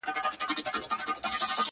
اوس به سخته سزا درکړمه و تاته،